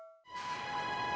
kau tak bisa mencoba